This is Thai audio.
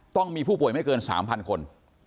ต้องมีผู้ป่วยไม่เกิน๓๐๐คน